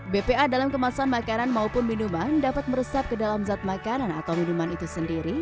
bpa dalam kemasan makanan maupun minuman dapat meresap ke dalam zat makanan atau minuman itu sendiri